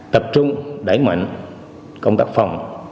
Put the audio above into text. tập trung đẩy mạnh công tác phòng